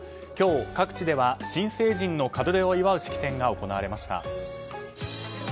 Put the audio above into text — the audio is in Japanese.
今日、各地では新成人の門出を祝う式典が行われました。